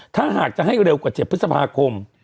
ถ้าหากจะให้เร็วกว่า๗พฤษภาคม